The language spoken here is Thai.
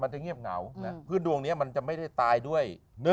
จะเงียบเหงาพื้นดวงนี้มันจะไม่ได้ตายด้วย